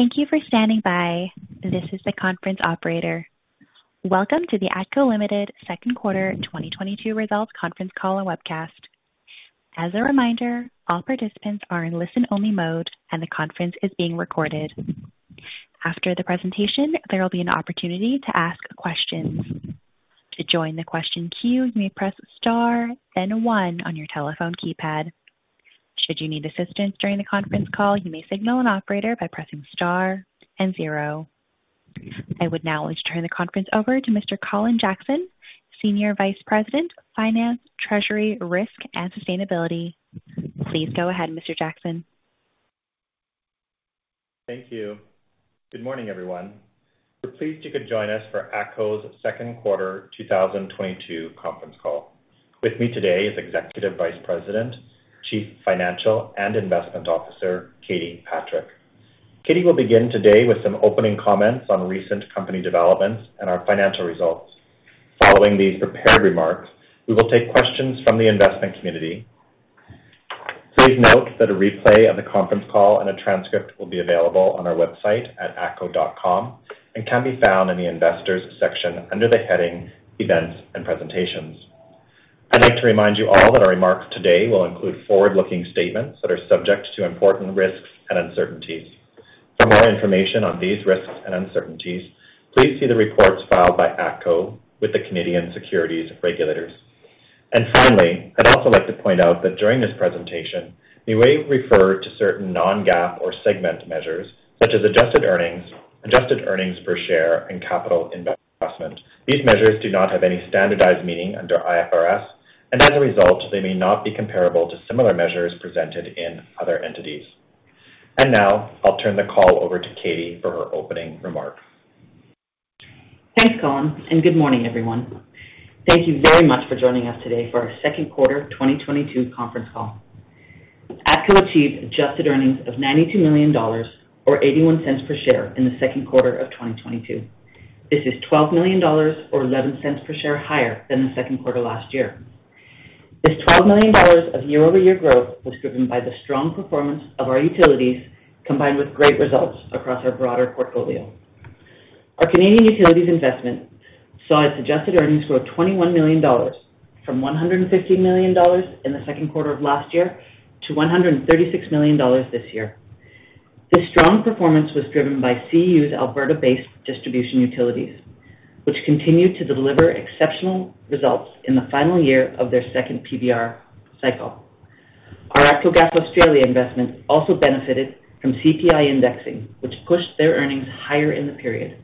Thank you for standing by. This is the conference operator. Welcome to the ATCO Ltd. Second Quarter 2022 Results Conference Call and Webcast. As a reminder, all participants are in listen-only mode and the conference is being recorded. After the presentation, there will be an opportunity to ask questions. To join the question queue, you may press star then one on your telephone keypad. Should you need assistance during the conference call, you may signal an operator by pressing star and zero. I would now like to turn the conference over to Mr. Colin Jackson, Senior Vice President, Finance, Treasury, Risk and Sustainability. Please go ahead, Mr. Jackson. Thank you. Good morning, everyone. We're pleased you could join us for ATCO's second quarter 2022 conference call. With me today is Executive Vice President, Chief Financial and Investment Officer, Katie Patrick. Katie will begin today with some opening comments on recent company developments and our financial results. Following these prepared remarks, we will take questions from the investment community. Please note that a replay of the conference call and a transcript will be available on our website at atco.com and can be found in the investors section under the heading Events and Presentations. I'd like to remind you all that our remarks today will include forward-looking statements that are subject to important risks and uncertainties. For more information on these risks and uncertainties, please see the reports filed by ATCO with the Canadian Securities Administrators. Finally, I'd also like to point out that during this presentation, we may refer to certain non-GAAP or segment measures such as adjusted earnings, adjusted earnings per share and capital investment. These measures do not have any standardized meaning under IFRS and as a result, they may not be comparable to similar measures presented in other entities. Now I'll turn the call over to Katie for her opening remarks. Thanks, Colin and good morning, everyone. Thank you very much for joining us today for our second quarter 2022 conference call. ATCO achieved adjusted earnings of 92 million dollars or 0.81 per share in the second quarter of 2022. This is 12 million dollars or 0.11 per share higher than the second quarter last year. This 12 million dollars of year-over-year growth was driven by the strong performance of our utilities, combined with great results across our broader portfolio. Our Canadian utilities investment saw its adjusted earnings grow 21 million dollars from 150 million dollars in the second quarter of last year to 136 million dollars this year. This strong performance was driven by CU's Alberta-based distribution utilities, which continued to deliver exceptional results in the final year of their second PBR cycle. Our ATCO Gas Australia investment also benefited from CPI indexing, which pushed their earnings higher in the period.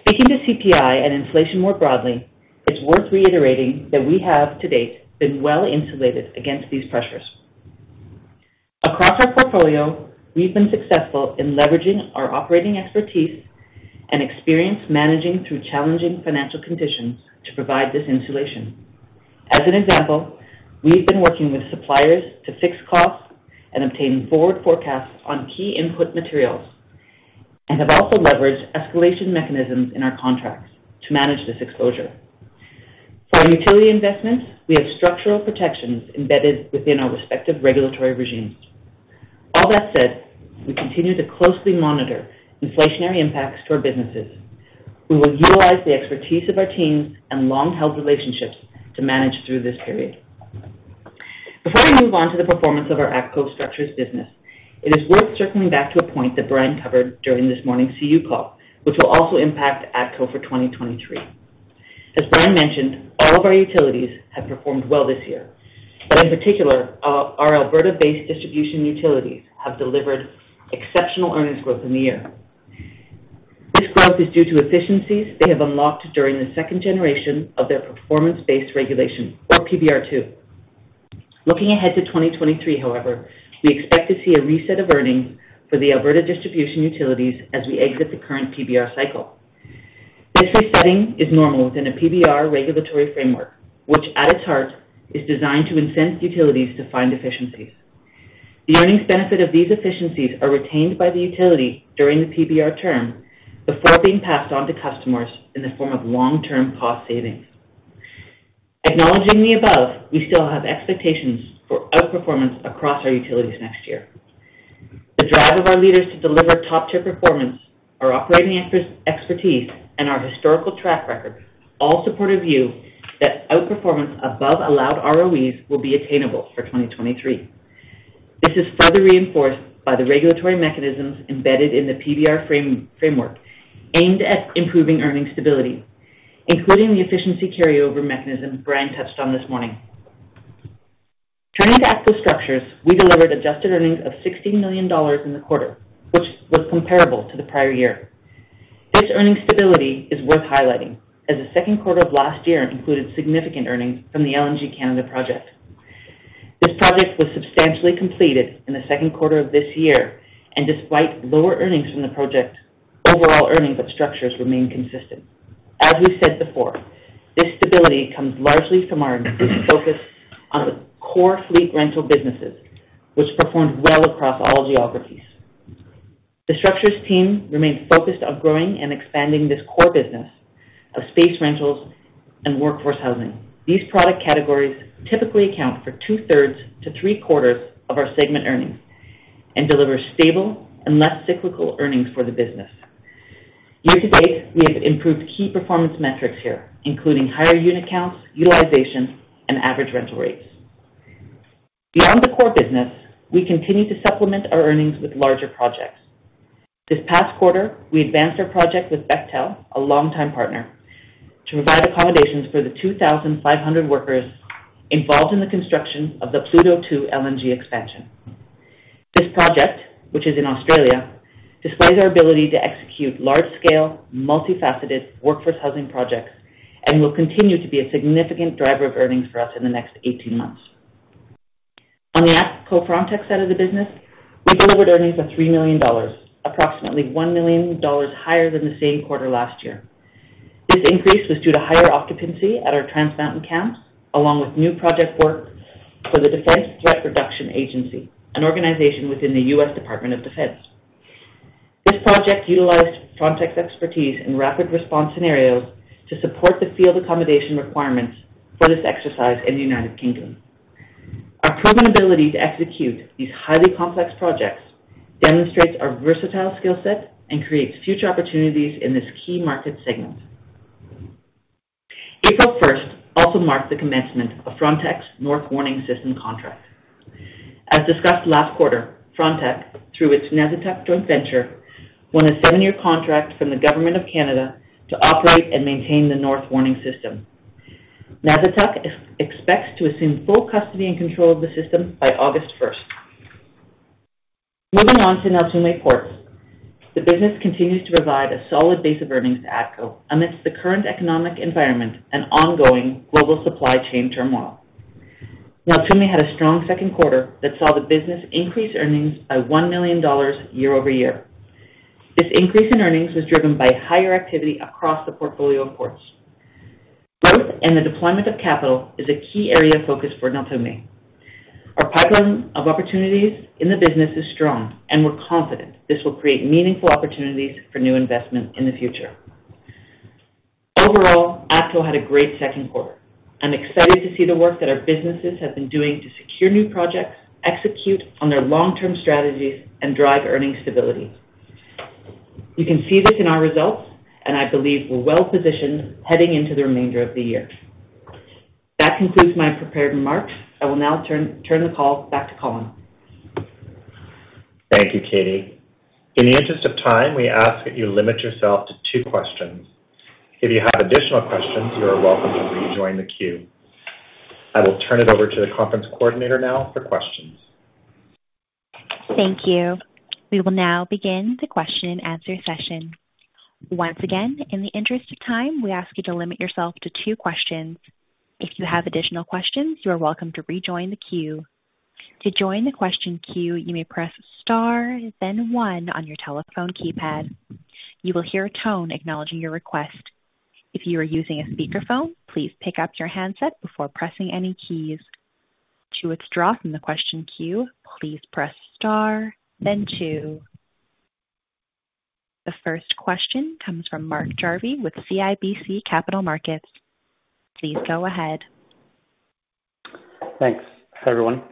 Speaking to CPI and inflation more broadly, it's worth reiterating that we have to date been well-insulated against these pressures. Across our portfolio, we've been successful in leveraging our operating expertise and experience managing through challenging financial conditions to provide this insulation. As an example, we've been working with suppliers to fix costs and obtain forward forecasts on key input materials and have also leveraged escalation mechanisms in our contracts to manage this exposure. For our utility investments, we have structural protections embedded within our respective regulatory regimes. All that said, we continue to closely monitor inflationary impacts to our businesses. We will utilize the expertise of our teams and long-held relationships to manage through this period. Before we move on to the performance of our ATCO Structures business, it is worth circling back to a point that Brian covered during this morning's CU call, which will also impact ATCO for 2023. As Brian mentioned, all of our utilities have performed well this year but in particular, our Alberta-based distribution utilities have delivered exceptional earnings growth in the year. This growth is due to efficiencies they have unlocked during the second generation of their performance-based regulation or PBR2. Looking ahead to 2023, however, we expect to see a reset of earnings for the Alberta distribution utilities as we exit the current PBR cycle. This resetting is normal within a PBR regulatory framework, which at its heart is designed to incent utilities to find efficiencies. The earnings benefit of these efficiencies are retained by the utility during the PBR term before being passed on to customers in the form of long-term cost savings. Acknowledging the above, we still have expectations for outperformance across our utilities next year. The drive of our leaders to deliver top-tier performance, our operating expertise and our historical track record all support a view that outperformance above allowed ROEs will be attainable for 2023. This is further reinforced by the regulatory mechanisms embedded in the PBR framework aimed at improving earnings stability, including the efficiency carryover mechanism Brian touched on this morning. Turning to ATCO Structures, we delivered adjusted earnings of 16 million dollars in the quarter, which was comparable to the prior year. This earnings stability is worth highlighting as the second quarter of last year included significant earnings from the LNG Canada project. This project was substantially completed in the second quarter of this year and despite lower earnings from the project, overall earnings of structures remain consistent. As we said before, this stability comes largely from our focus on the core fleet rental businesses, which performed well across all geographies. The structures team remains focused on growing and expanding this core business of space rentals and workforce housing. These product categories typically account for two-thirds to three-quarters of our segment earnings and deliver stable and less cyclical earnings for the business. Year to date, we have improved key performance metrics here, including higher unit counts, utilization and average rental rates. Beyond the core business, we continue to supplement our earnings with larger projects. This past quarter, we advanced our project with Bechtel, a longtime partner, to provide accommodations for the 2,500 workers involved in the construction of the Pluto Train 2 LNG expansion. This project, which is in Australia, displays our ability to execute large-scale, multifaceted workforce housing projects and will continue to be a significant driver of earnings for us in the next 18 months. On the ATCO Frontec side of the business, we delivered earnings of 3 million dollars, approximately 1 million dollars higher than the same quarter last year. This increase was due to higher occupancy at our Trans Mountain camps, along with new project work for the Defense Threat Reduction Agency, an organization within the U.S. Department of Defense. This project utilized Frontec's expertise in rapid response scenarios to support the field accommodation requirements for this exercise in the United Kingdom. Our proven ability to execute these highly complex projects demonstrates our versatile skill set and creates future opportunities in this key market segment. 1 April also marked the commencement of Frontec's North Warning System contract. As discussed last quarter, Frontec, through its Nasittuq joint venture, won a seven-year contract from the government of Canada to operate and maintain the North Warning System. Nasittuq expects to assume full custody and control of the system by 1 August. Moving on to Neltume Ports. The business continues to provide a solid base of earnings to ATCO amidst the current economic environment and ongoing global supply chain turmoil. Neltume had a strong second quarter that saw the business increase earnings by 1 million dollars year-over-year. This increase in earnings was driven by higher activity across the portfolio of ports. Growth and the deployment of capital is a key area of focus for Neltume. Our pipeline of opportunities in the business is strong and we're confident this will create meaningful opportunities for new investment in the future. Overall, ATCO had a great second quarter. I'm excited to see the work that our businesses have been doing to secure new projects, execute on their long-term strategies and drive earnings stability. You can see this in our results and I believe we're well-positioned heading into the remainder of the year. That concludes my prepared remarks. I will now turn the call back to Colin. Thank you, Katie. In the interest of time, we ask that you limit yourself to two questions. If you have additional questions, you are welcome to rejoin the queue. I will turn it over to the conference coordinator now for questions. Thank you. We will now begin the question and answer session. Once again, in the interest of time, we ask you to limit yourself to two questions. If you have additional questions, you are welcome to rejoin the queue. To join the question queue, you may press star then one on your telephone keypad. You will hear a tone acknowledging your request. If you are using a speakerphone, please pick up your handset before pressing any keys. To withdraw from the question queue, please press star, then two. The first question comes from Mark Jarvi with CIBC Capital Markets. Please go ahead. Thanks, everyone.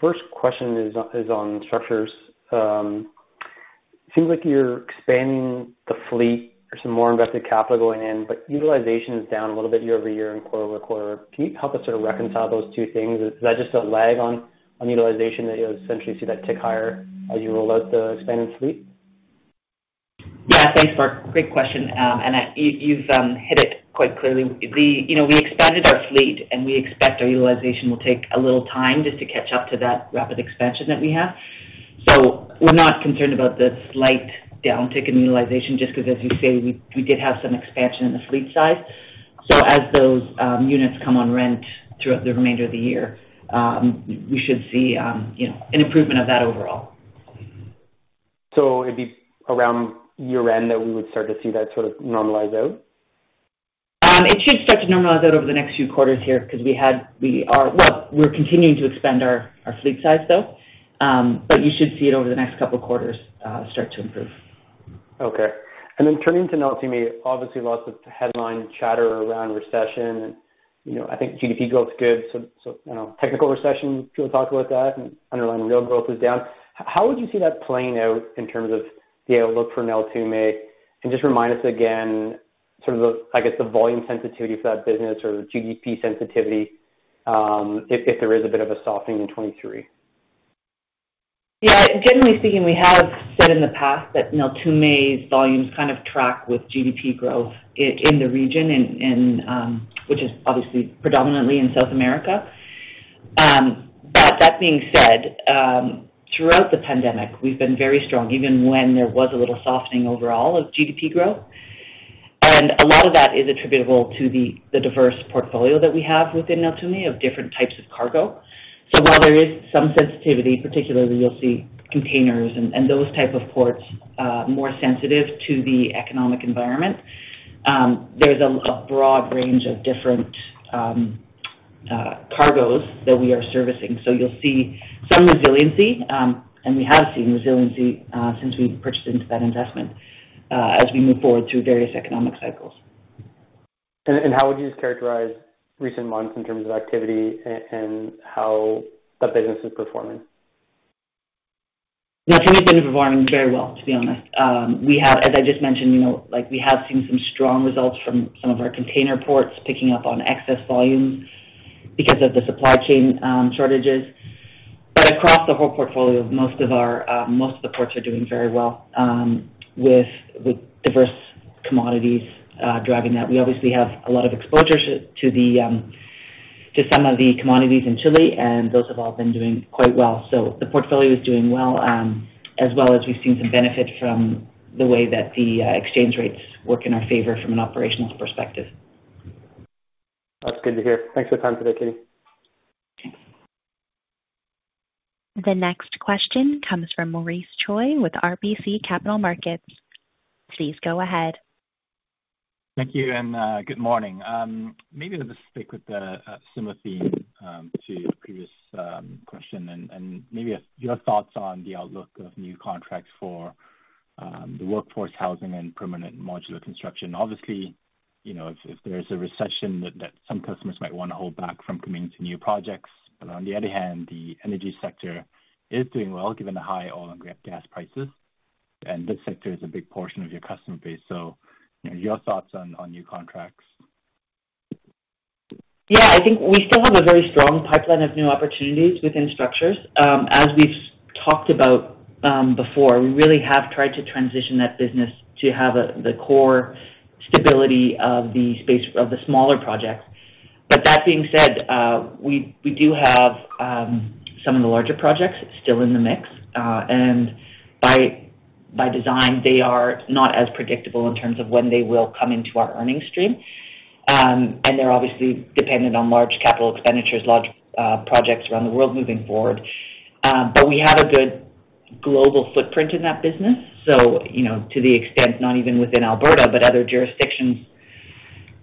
First question is on structures. Seems like you're expanding the fleet. There's some more invested capital going in but utilization is down a little bit year-over-year and quarter-over-quarter. Can you help us sort of reconcile those two things? Is that just a lag on utilization that you'll essentially see that tick higher as you roll out the expanded fleet? Yeah, thanks, Mark. Great question. You've hit it quite clearly. You know, we expanded our fleet and we expect our utilization will take a little time just to catch up to that rapid expansion that we have. We're not concerned about the slight downtick in utilization just because, as you say, we did have some expansion in the fleet size. As those units come on rent throughout the remainder of the year, we should see, you know, an improvement of that overall. It'd be around year-end that we would start to see that sort of normalize out? It should start to normalize out over the next few quarters here because we're continuing to expand our fleet size, though. You should see it over the next couple of quarters start to improve. Okay. Then turning to Neltume, obviously lots of headline chatter around recession. You know, I think GDP growth is good. You know, technical recession, people talk about that and underlying real growth is down. How would you see that playing out in terms of the outlook for Neltume? Just remind us again, sort of the, I guess, the volume sensitivity for that business or the GDP sensitivity, if there is a bit of a softening in 2023. Yeah. Generally speaking, we have said in the past that Neltume's volumes kind of track with GDP growth in the region and, which is obviously predominantly in South America. That being said, throughout the pandemic, we've been very strong, even when there was a little softening overall of GDP growth. A lot of that is attributable to the diverse portfolio that we have within Neltume of different types of cargo. While there is some sensitivity, particularly you'll see containers and those type of ports more sensitive to the economic environment, there's a broad range of different cargos that we are servicing. You'll see some resiliency and we have seen resiliency since we purchased into that investment as we move forward through various economic cycles. How would you characterize recent months in terms of activity and how the business is performing? Yeah. We've been performing very well, to be honest. As I just mentioned, you know, like, we have seen some strong results from some of our container ports picking up on excess volume because of the supply chain shortages. Across the whole portfolio, most of the ports are doing very well with the diverse commodities driving that. We obviously have a lot of exposure to some of the commodities in Chile and those have all been doing quite well. The portfolio is doing well, as well as we've seen some benefit from the way that the exchange rates work in our favor from an operational perspective. That's good to hear. Thanks for the time today, Katie. Thanks. The next question comes from Maurice Choy with RBC Capital Markets. Please go ahead. Thank you, good morning. Maybe let me stick with a similar theme to your previous question and maybe your thoughts on the outlook of new contracts for the workforce housing and permanent modular construction. Obviously, you know, if there's a recession that some customers might wanna hold back from committing to new projects. On the other hand, the energy sector is doing well, given the high oil and gas prices and this sector is a big portion of your customer base. You know, your thoughts on new contracts. Yeah. I think we still have a very strong pipeline of new opportunities within structures. As we've talked about before, we really have tried to transition that business to have the core stability of the space of the smaller projects. That being said, we do have some of the larger projects still in the mix. By design, they are not as predictable in terms of when they will come into our earnings stream. They're obviously dependent on large capital expenditures, large projects around the world moving forward. We have a good global footprint in that business. You know, to the extent, not even within Alberta but other jurisdictions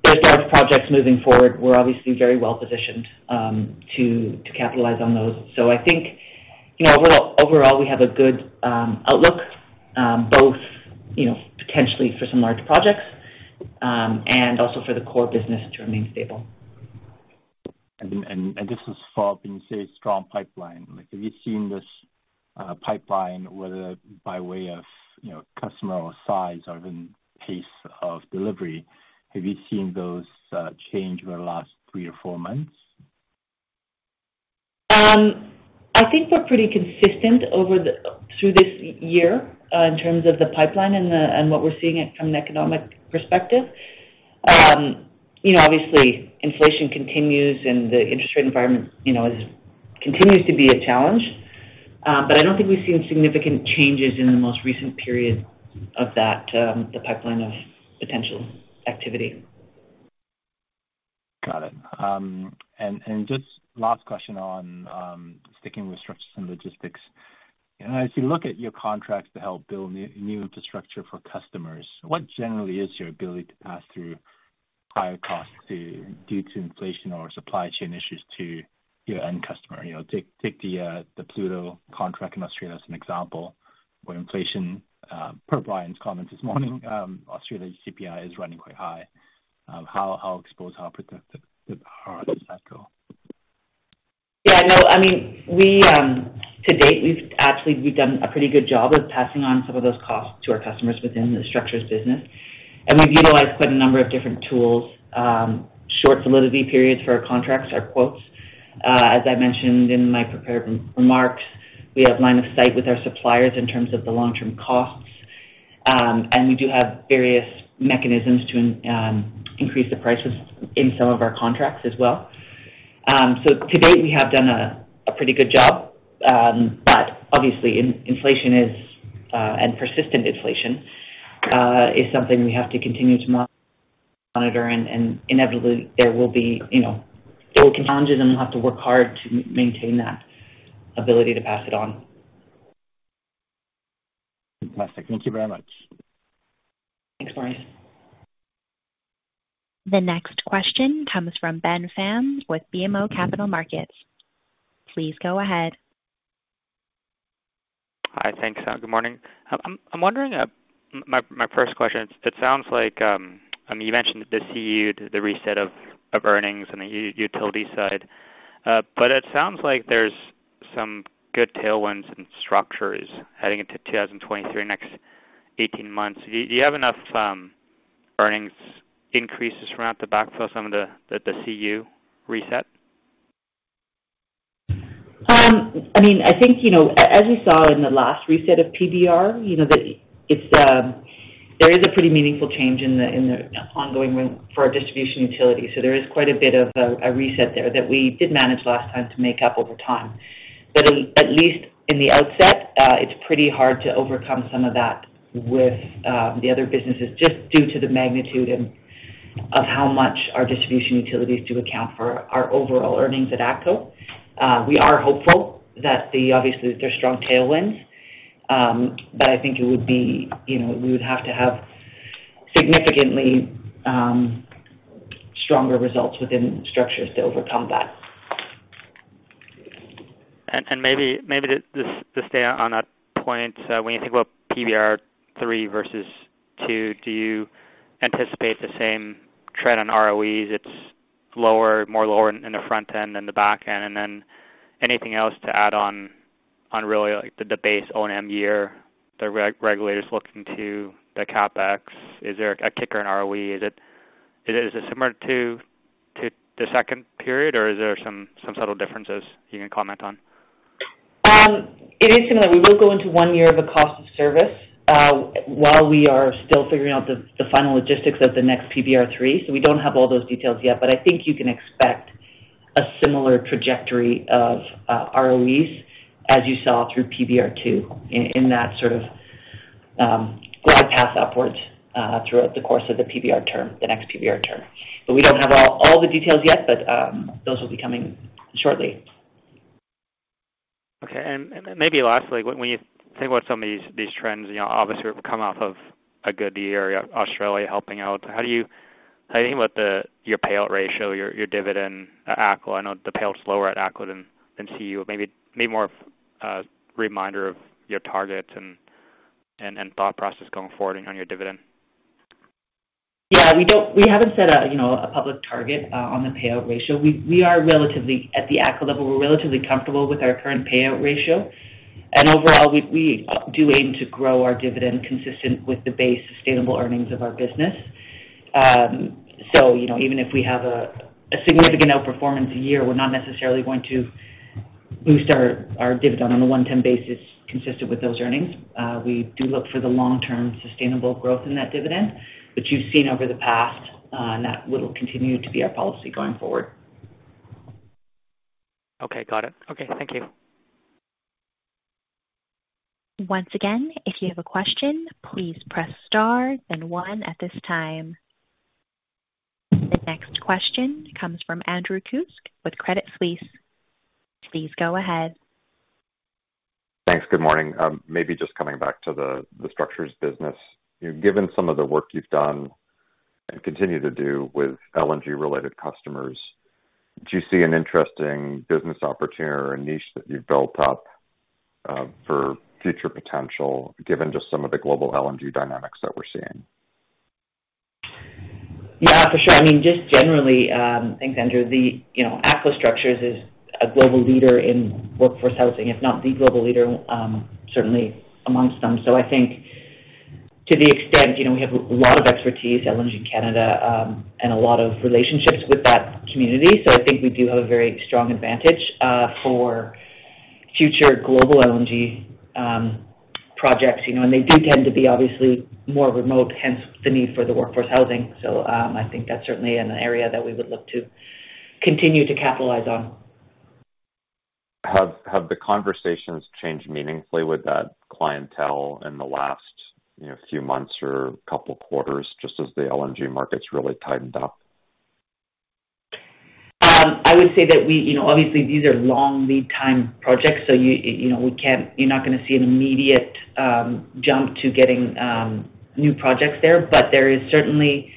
with large projects moving forward, we're obviously very well positioned to capitalize on those. I think, you know, overall we have a good outlook, both, you know, potentially for some large projects and also for the core business to remain stable. Just as far as when you say strong pipeline, like, have you seen this pipeline, whether by way of, you know, customer or size or even pace of delivery, have you seen those change over the last three or four months? I think we're pretty consistent through this year in terms of the pipeline and what we're seeing from an economic perspective. You know, obviously inflation continues and the interest rate environment, you know, continues to be a challenge. I don't think we've seen significant changes in the most recent period of that, the pipeline of potential activity. Got it. Just last question on sticking with structures and logistics. As you look at your contracts to help build new infrastructure for customers, what generally is your ability to pass through higher costs due to inflation or supply chain issues to your end customer? You know, take the Pluto contract in Australia as an example where inflation, per Brian's comment this morning, Australia's CPI is running quite high. How exposed, how protected are ATCO? Yeah. No. I mean, to date, we've done a pretty good job of passing on some of those costs to our customers within the structures business. We've utilized quite a number of different tools, short validity periods for our contracts, our quotes. As I mentioned in my prepared remarks, we have line of sight with our suppliers in terms of the long-term costs. We do have various mechanisms to increase the prices in some of our contracts as well. To date, we have done a pretty good job. But obviously inflation and persistent inflation is something we have to continue to monitor. Inevitably there will be, you know, there will be challenges and we'll have to work hard to maintain that ability to pass it on. Fantastic. Thank you very much. Thanks, Maurice. The next question comes from Ben Pham with BMO Capital Markets. Please go ahead. Hi. Thanks. Good morning. I'm wondering. My first question, it sounds like, I mean, you mentioned the CU, the reset of earnings on the utility side. It sounds like there's some good tailwinds and Structures heading into 2023, next 18 months. Do you have enough earnings increases to offset some of the CU reset? I mean, I think, you know, as you saw in the last reset of PBR, you know, that it's there is a pretty meaningful change in the ongoing for our distribution utility. There is quite a bit of a reset there that we did manage last time to make up over time. At least in the outset, it's pretty hard to overcome some of that with the other businesses just due to the magnitude of how much our distribution utilities do account for our overall earnings at ATCO. We are hopeful that, obviously, they're strong tailwindsbut I think it would be, you know, we would have to have significantly stronger results within structures to overcome that. Maybe just to stay on that point, when you think about PBR three versus two, do you anticipate the same trend on ROEs? It's lower, more lower in the front end than the back end. Anything else to add on, really, like, the base O&M year the regulators looking to the CapEx. Is there a kicker in ROE? Is it similar to the second period or is there some subtle differences you can comment on? It is similar. We will go into one year of a cost of service while we are still figuring out the final logistics of the next PBR three. We don't have all those details yet but I think you can expect a similar trajectory of ROEs as you saw through PBR two in that sort of glide path upwards throughout the course of the PBR term, the next PBR term. We don't have all the details yet but those will be coming shortly. Okay. Maybe lastly, when you think about some of these trends, you know, obviously we've come off of a good year. Australia helping out. How do you think about your payout ratio, your dividend at ATCO? I know the payout's lower at ATCO than CU. Maybe more of a reminder of your targets and thought process going forward on your dividend. Yeah. We haven't set a, you know, public target on the payout ratio. We are relatively at the ATCO level, we're relatively comfortable with our current payout ratio. Overall, we do aim to grow our dividend consistent with the base sustainable earnings of our business. You know, even if we have a significant outperformance year, we're not necessarily going to boost our dividend on a one-time basis consistent with those earnings. We do look for the long-term sustainable growth in that dividend, which you've seen over the past and that will continue to be our policy going forward. Okay, got it. Okay, thank you. Once again, if you have a question, please press star then one at this time. The next question comes from Andrew Kuske with Credit Suisse. Please go ahead. Thanks. Good morning. Maybe just coming back to the structures business. You know, given some of the work you've done and continue to do with LNG-related customers, do you see an interesting business opportunity or a niche that you've built up, for future potential, given just some of the global LNG dynamics that we're seeing? Yeah, for sure. I mean, just generally. Thanks, Andrew. The, you know, ATCO Structures is a global leader in workforce housing, if not the global leader, certainly amongst them. So I think to the extent, you know, we have a lot of expertise, LNG Canada and a lot of relationships with that community. So I think we do have a very strong advantage for future global LNG projects. You know and they do tend to be obviously more remote, hence the need for the workforce housing. So I think that's certainly an area that we would look to continue to capitalize on. Have the conversations changed meaningfully with that clientele in the last, you know, few months or couple quarters just as the LNG market's really tightened up? I would say that you know, obviously these are long lead time projects, so you know, you're not gonna see an immediate jump to getting new projects there. There is certainly,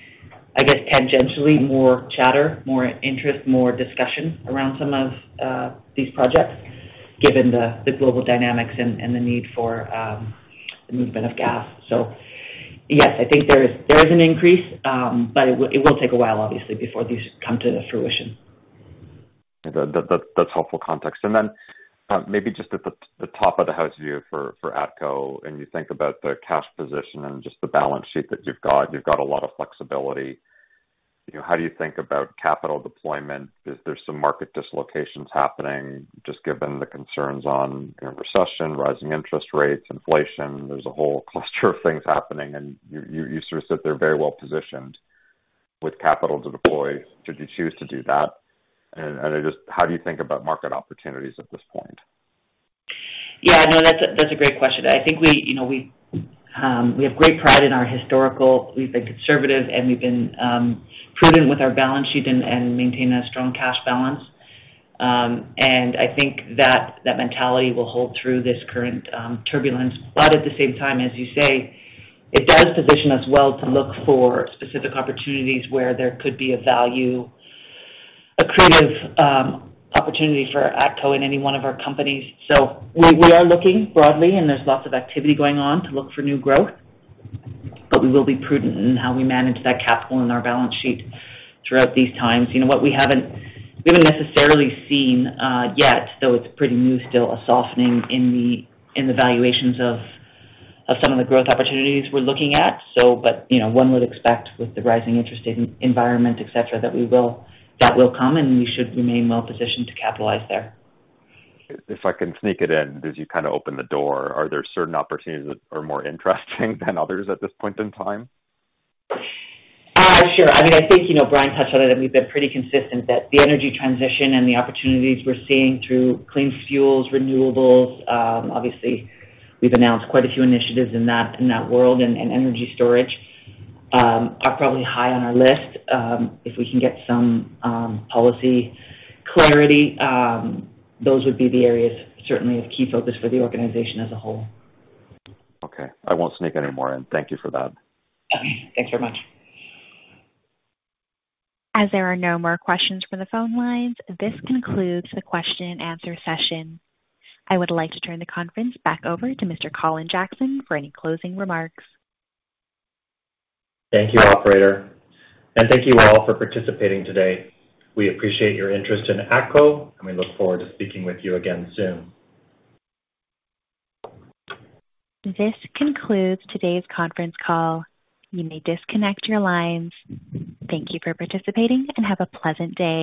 I guess, tangentially more chatter, more interest, more discussion around some of these projects given the global dynamics and the need for the movement of gas. Yes, I think there is an increase. It will take a while obviously before these come to fruition. That's helpful context. Then, maybe just at the top of the house view for ATCO and you think about the cash position and just the balance sheet that you've got. You've got a lot of flexibility. You know, how do you think about capital deployment? There's some market dislocations happening just given the concerns on, you know, recession, rising interest rates, inflation. There's a whole cluster of things happening and you sort of sit there very well positioned with capital to deploy should you choose to do that. How do you think about market opportunities at this point? Yeah, no, that's a great question. I think we, you know, have great pride in our history. We've been conservative and we've been prudent with our balance sheet and maintain a strong cash balance. I think that mentality will hold through this current turbulence. But at the same time, as you say, it does position us well to look for specific opportunities where there could be a value accretive opportunity for ATCO in any one of our companies. So we are looking broadly and there's lots of activity going on to look for new growth but we will be prudent in how we manage that capital in our balance sheet throughout these times. You know what? We haven't necessarily seen yet, though it's pretty new still, a softening in the valuations of some of the growth opportunities we're looking at. You know, one would expect with the rising interest environment, et cetera, that will come and we should remain well positioned to capitalize there. If I can sneak it in, as you kind of opened the door, are there certain opportunities that are more interesting than others at this point in time? Sure. I mean, I think, you know, Brian touched on it and we've been pretty consistent that the energy transition and the opportunities we're seeing through clean fuels, renewables, obviously we've announced quite a few initiatives in that world and energy storage are probably high on our list. If we can get some policy clarity, those would be the areas certainly of key focus for the organization as a whole. Okay. I won't sneak anymore in. Thank you for that. Okay. Thanks very much. As there are no more questions from the phone lines, this concludes the question and answer session. I would like to turn the conference back over to Mr. Colin Jackson for any closing remarks. Thank you, operator and thank you all for participating today. We appreciate your interest in ATCO and we look forward to speaking with you again soon. This concludes today's conference call. You may disconnect your lines. Thank you for participating and have a pleasant day.